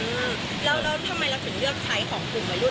แล้วแล้วทำไมเราถึงเลือกใช้ของกลุ่มวัยรุ่น